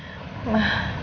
kami tak ada hasil